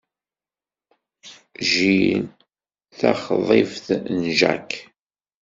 Jill d taxḍibt n Jack.